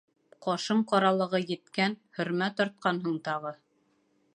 Ҡашың ҡаралығы еткән, һөрмә тартҡанһың тағы.